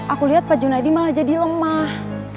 aku liat pak junaedi malah jadi lemah